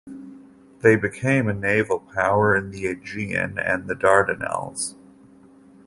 They became a naval power in the Aegean and the Dardanelles.